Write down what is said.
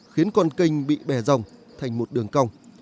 khiến con canh bị bè dòng thành một đường cong